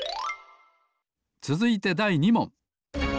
つづいてだい２もん。